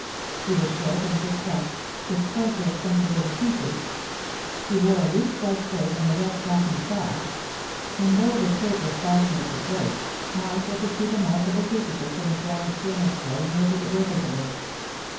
He was short and thick set, with coarsely accentuated features; he wore a loose white shirt and a red cotton sash, and though the shirt was fastened at the throat, Marcia could see the mark of the crucifix on his brown skin as plainly as if it were visible.